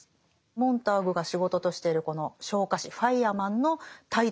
モンターグが仕事としてるこの昇火士ファイアマンの隊長。